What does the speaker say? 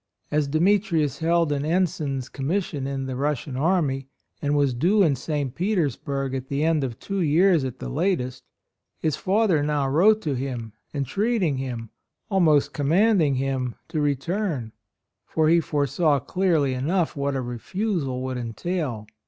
As Demetrius held an ensign's com mission in the Russian army, and was due in St. Petersburg at the end of two years at the latest, his father now wrote to him entreating him, almost com manding him, to return; for he foresaw clearly enough what a refusal would entail.